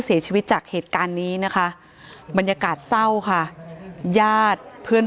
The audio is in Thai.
เสียชีวิตจากเหตุการณ์นี้นะคะบรรยากาศเศร้าค่ะญาติเพื่อน